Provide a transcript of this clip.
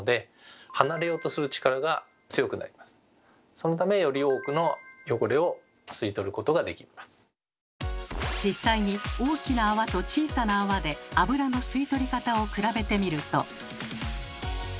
そのためより多くの実際に大きな泡と小さな泡で油の吸い取り方を比べてみると。